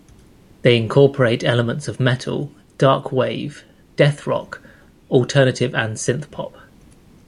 They incorporate elements of metal, dark wave, deathrock, alternative and synthpop.